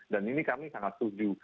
dan ini kami sangat setuju